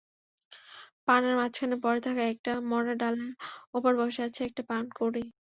পানার মাঝখানে পড়ে থাকা একটা মরা ডালের ওপর বসে আছে একটা পানকৌড়ি।